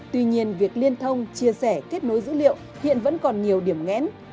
tuy nhiên việc liên thông chia sẻ kết nối dữ liệu hiện vẫn còn nhiều điểm nghẽn